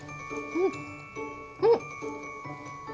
うん！